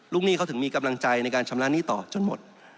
หนี้เขาถึงมีกำลังใจในการชำระหนี้ต่อจนหมด